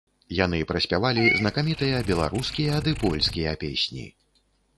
Яны праспявалі знакамітыя беларускія ды польскія песні.